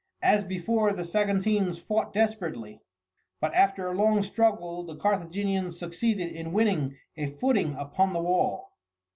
As before, the Saguntines fought desperately, but after a long struggle the Carthaginians succeeded in winning a footing upon the wall.